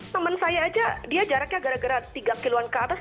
temen saya aja dia jaraknya gara gara tiga kiloan ke atas